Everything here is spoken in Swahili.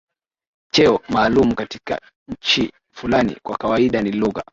cheo maalumu katika nchi fulani Kwa kawaida ni lugha